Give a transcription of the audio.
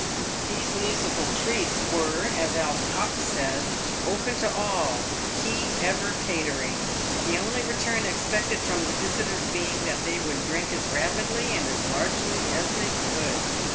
These musical treats were, as Alf Cox said, " open to all, he ever catering," the only return expected from the visitors being, that they would drink as rapidly and as largely as they could.